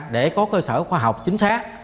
để có cơ sở khoa học chính xác